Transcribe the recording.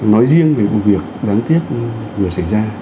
nói riêng về vụ việc đáng tiếc vừa xảy ra